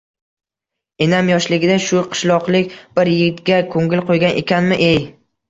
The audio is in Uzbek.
Enam yoshligida shu qishloqlik bir yigitga koʼngil qoʼygan ekanmi-ey…